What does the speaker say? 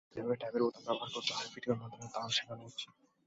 কীভাবে ট্যাবের বোতাম ব্যবহার করতে হয়, ভিডিওর মাধ্যমে তাও শেখানো হচ্ছে।